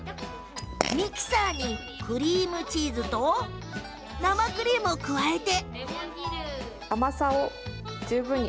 ミキサーにクリームチーズと生クリームを加えて。